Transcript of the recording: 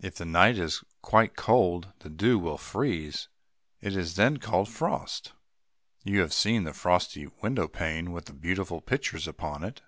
If the night is quite cold, the dew will freeze. It is then called frost. You have seen the frosty window pane with the beautiful pictures upon it.